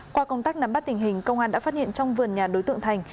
qua công tác nắm bắt tình hình công an đã phát hiện trong vườn nhà đối tượng thành